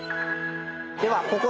ではここで。